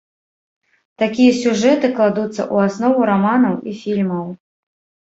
Такія сюжэты кладуцца ў аснову раманаў і фільмаў.